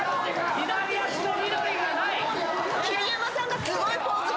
左足の緑がない！